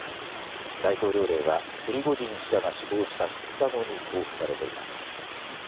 大統領令はプリゴジン氏らが死亡した２日後に公布されています。